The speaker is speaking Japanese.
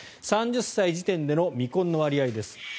３０歳時点での未婚の割合です。